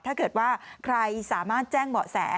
ถ้าเกิดว่าใครสามารถแจ้งเบาะแส